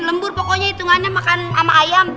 lembur pokoknya hitungannya makan sama ayam